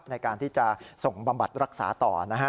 ในการที่จะส่งบำบัดรักษาต่อนะฮะ